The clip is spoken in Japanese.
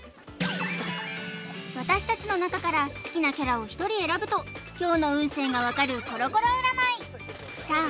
私たちの中から好きなキャラを１人選ぶと今日の運勢が分かるコロコロ占いさあ